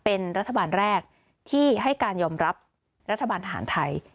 เป็นรัฐบาลแรกที่ให้การยอมรับรัฐบาลทหารไทย